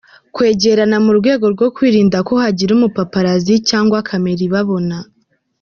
kwegerana mu rwego rwo kwirinda ko hagira umupaparazzi cyangwa camera ibabona.